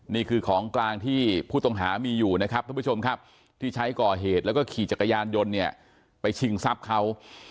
นี่คือของกลางที่ผู้ต้องหามีอยู่นะครับท่านผู้ชมครับที่ใช้ก่อเหตุแล้วก็ขี่จักรยานยนต์เนี่ยไปชิงทรัพย์เขา